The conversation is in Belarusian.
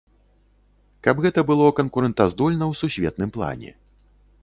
Каб гэта было канкурэнтаздольна ў сусветным плане.